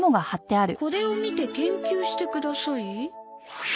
「これを見て研究してください」？